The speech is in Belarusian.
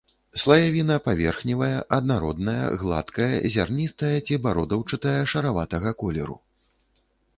Слаявіна паверхневая, аднародная, гладкая, зярністая ці бародаўчатая шараватага колеру.